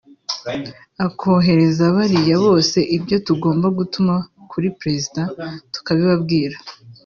akohereza bariya bose ibyo tugomba gutuma kuri peresida tukabibabwira